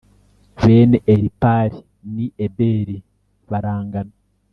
Bene Elipali ni Eberi barangana.